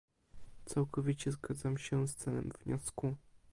Całkowicie zgadzam się z celem wniosku